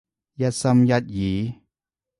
一心一意？